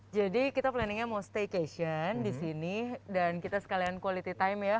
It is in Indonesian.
jadi kita planningnya mau staycation di sini dan kita sekalian quality time ya